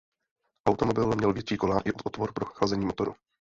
Automobil měl větší kola i otvor pro chlazení motoru.